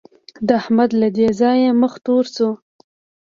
د احمد له دې ځايه مخ تور شو.